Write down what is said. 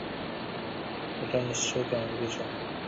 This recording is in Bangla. আর বীলু হাসতে-হাসতে ভেঙে পড়ছে।